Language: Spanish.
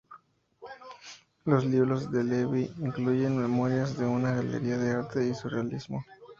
Los libros de Levy incluyen Memorias de una galería de arte y Surrealismo.